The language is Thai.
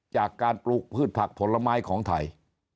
จากการปลูกพืชผักผลไม้ของไทย